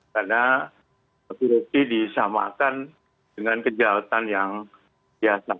karena korupsi disamakan dengan kejahatan yang biasa